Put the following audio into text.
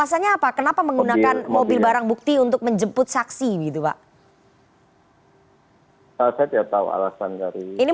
artinya b satu ratus dua puluh dn kemudian pada saat balik itu jadi dandi